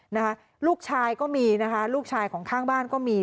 นะคะลูกชายก็มีนะคะลูกชายของข้างบ้านก็มี